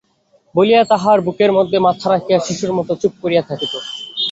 বলিয়া তাঁহার বুকের মধ্যে মাথা রাখিয়া শিশুর মতো চুপ করিয়া থাকিত।